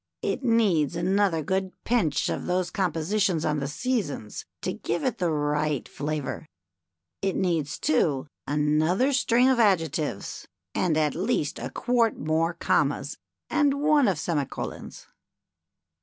" It needs another good pinch of those compositions on the Seasons to give it the right flavor. It needs, too, another string of adjectives and at least a quart more commas and one of semi colons."